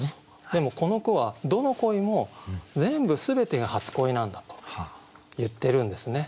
でもこの句はどの恋も全部全てが初恋なんだと言ってるんですね。